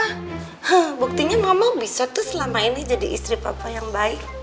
hah buktinya mama bisa tuh selama ini jadi istri papa yang baik